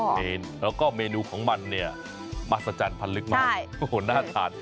เห็นแล้วก็เมนูของมันเนี่ยมหัศจรรพันธ์ลึกมากโอ้โหน่าทาน